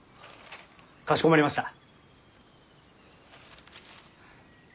かしこまりました。